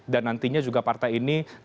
dan nantinya juga partai ini